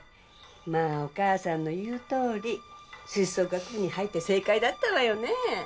まあお母さんの言うとおり吹奏楽部に入って正解だったわよね。